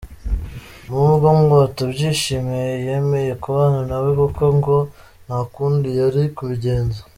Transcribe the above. Nubwo ngo atabyishimiye yemeye kubana na we kuko ngo nta kundi yari kubigenza.